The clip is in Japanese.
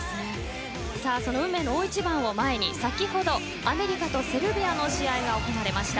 運命の大一番を前に先ほどアメリカとセルビアの試合が行われました。